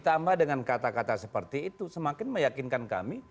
karena dengan kata kata seperti itu semakin meyakinkan kami